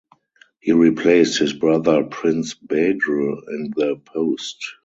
He replaced his brother Prince Badr in the post.